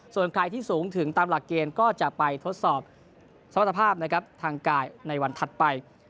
ส่วนใครที่สูงถึงตามหลักเกณฑ์ก็จะไปทดสอบสวรรภาพนะครับทางกายในวันถัดไป